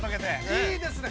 ◆いいですね。